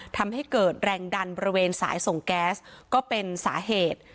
ทำให้เกิดแรงดันบริเวณสายส่งแก๊สก็เป็นสาเหตุ